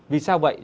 vì sao vậy